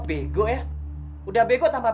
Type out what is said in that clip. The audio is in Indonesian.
bego ya udah bego tambah